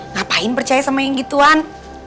ngapain percaya sama yang gituan